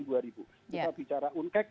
kita bicara uncac